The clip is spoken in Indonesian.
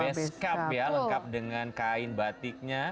beskap ya lengkap dengan kain batiknya